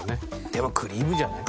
でもクリームじゃない？